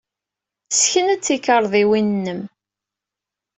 Ssken-d tikarḍiwin-nnem.